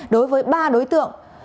đối với ba đối tượng